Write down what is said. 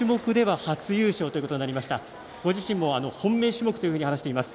ご自身、本命種目と話していました。